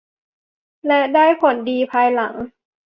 และได้ผลดีภายหลัง